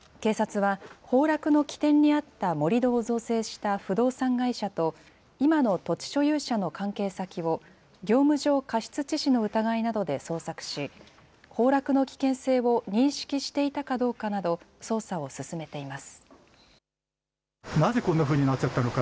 警察は、崩落の起点にあった盛り土を造成した不動産会社と、今の土地所有者の関係先を、業務上過失致死の疑いなどで捜索し、崩落の危険性を認識していたかどうかなど、捜査を進めています。